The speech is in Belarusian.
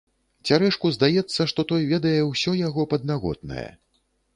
Цярэшку здаецца, што той ведае ўсё яго паднаготнае.